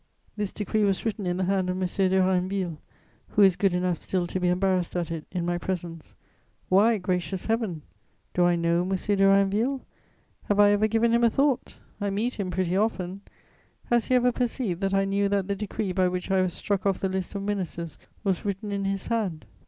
This decree was written in the hand of M. de Rainneville, who is good enough still to be embarrassed at it in my presence. Why, gracious Heaven! Do I know M. de Rainneville? Have I ever given him a thought? I meet him pretty often. Has he ever perceived that I knew that the decree by which I was struck off the list of ministers was written in his hand?